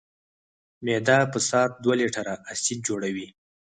معده په ساعت دوه لیټره اسید جوړوي.